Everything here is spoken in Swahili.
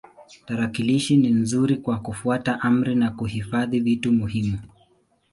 Tarakilishi ni nzuri kwa kufuata amri na kuhifadhi vitu muhimu.